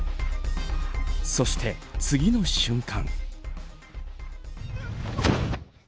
そして、次の瞬間。